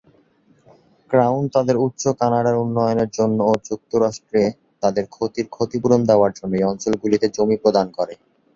Crown তাদের উচ্চ কানাডার উন্নয়নের জন্য ও যুক্তরাষ্ট্রে তাদের ক্ষতির ক্ষতিপূরণ দেওয়ার জন্য এই অঞ্চলগুলিতে জমি প্রদান করে।